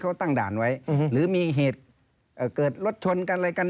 เขาตั้งด่านไว้หรือมีเหตุเกิดรถชนกันอะไรกัน